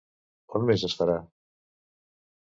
On més es farà?